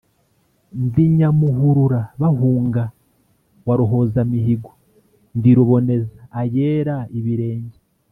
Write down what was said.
Ndi Nyamuhurura bahunga, wa Ruhozamihigo, ndi Ruboneza ayera ibirenge.